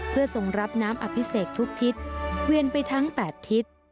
เพื่อทรงรับน้ำอภิเษกทุกทิศเวียนไปทั้ง๘ทิศ